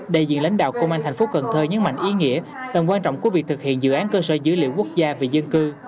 đại diện lãnh đạo công an thành phố cần thơ nhấn mạnh ý nghĩa tầm quan trọng của việc thực hiện dự án cơ sở dữ liệu quốc gia về dân cư